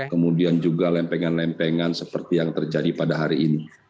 kemudian juga lempengan lempengan seperti yang terjadi pada hari ini